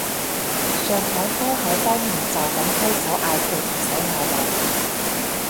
上堂兜口兜面就噉揮手嗌佢唔使嗌名